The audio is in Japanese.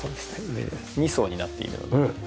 上二層になっているので。